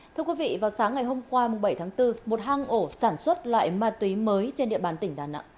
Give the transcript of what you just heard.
thưa quý vị vào sáng ngày hôm qua bảy tháng bốn một hang ổ sản xuất loại ma túy mới trên địa bàn tỉnh đà nẵng